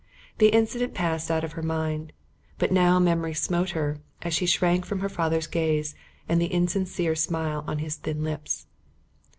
The incident passed out of her mind. But now memory smote her, as she shrank from her father's gaze and the insincere smile on his thin lips.